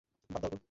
বাদ দাও, তো।